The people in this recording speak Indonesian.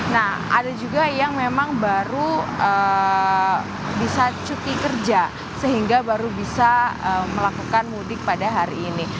nah ada juga yang memang baru bisa cuti kerja sehingga baru bisa melakukan mudik pada hari ini